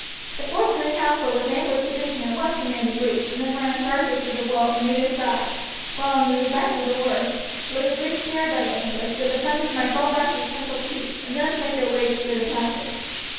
The force in the castle was amply sufficient at once to man the breach and to furnish archers for the walls on either side, while in the event of the worst, were the breach carried by the English, the defenders might fall back to the central keep, and thence make their way through the passage.